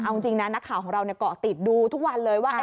เอาจริงนะนักข่าวของเราเกาะติดดูทุกวันเลยว่า